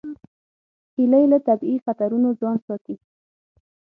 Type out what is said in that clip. هیلۍ له طبیعي خطرونو ځان ساتي